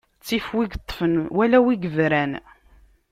Ttif win iṭṭfen, wala win ibran.